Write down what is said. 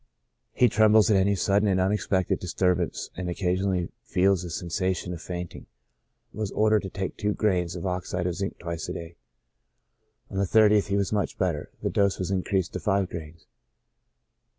He trembles at any sudden and unexpected dis turbance, and occasionally feels a sensation of fainting. Was ordered to take tv^o grains of oxide of zinc twice a day. On the 30th he was much better ; the dose was increased to five grains.